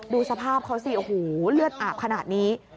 ดูสภาพเขาสิโอ้โหเลือดอาบขนาดนี้